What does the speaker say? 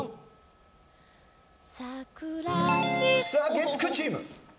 月９チーム！